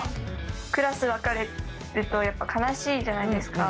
クラス分かれて悲しいじゃないですか。